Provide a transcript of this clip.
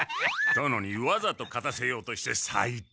殿にわざと勝たせようとして最低。